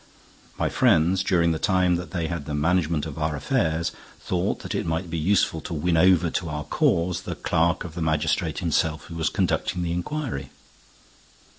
My friends, during the time that they had the management of our affairs, thought that it might be useful to win over to our cause the clerk of the magistrate himself who was conducting the inquiry."